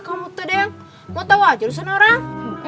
kamu tuh deng mau tahu aja lho sama orang